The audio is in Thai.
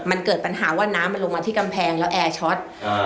มันเกิดปัญหาว่าน้ำมันลงมาที่กำแพงแล้วแอร์ช็อต